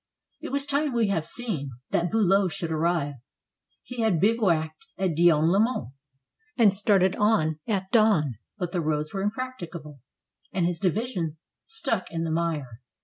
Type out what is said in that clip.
It was time, we have seen, that Billow should arrive. He had bivouacked at Dion le Mont, and started on at dawn. But the roads were impracticable, and his divi sion stuck in the mire.